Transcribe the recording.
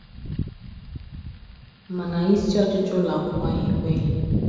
mana isi ọchịchị ụlọakwụkwọ ahụ ekweghị